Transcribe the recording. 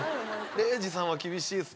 礼二さんは厳しいですか？